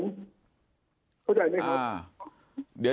เข้าใจมั้ยครับ